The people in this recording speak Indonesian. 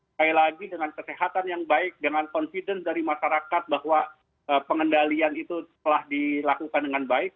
sekali lagi dengan kesehatan yang baik dengan confidence dari masyarakat bahwa pengendalian itu telah dilakukan dengan baik